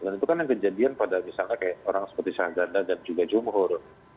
dan itu kan yang kejadian pada misalnya orang seperti shahzada dan juga jomohor